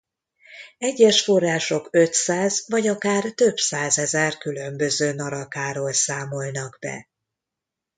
Egyes források ötszáz vagy akár több százezer különböző narakáról számolnak be.